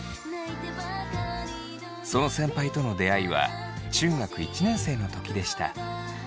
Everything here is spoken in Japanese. その先輩との出会いは中学１年生の時でした。